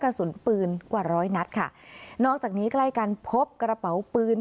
กระสุนปืนกว่าร้อยนัดค่ะนอกจากนี้ใกล้กันพบกระเป๋าปืน